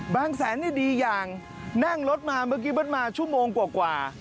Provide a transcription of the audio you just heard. บางแสนนี่ดีอย่างแน่งรถมาเมื่อกี้บ้านมาชั่วโมงกว่ากว่า